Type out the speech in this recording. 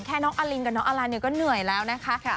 ไว้ก่อนแค่น้องอลินกับน้องอลาเนียก็เหนื่อยแล้วนะคะ